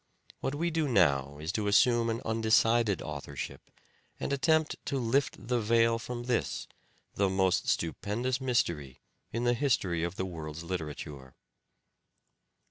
What we do now is to assume an undecided author ship and attempt to lift the veil from this, the most stupendous mystery in the history of the world's literature.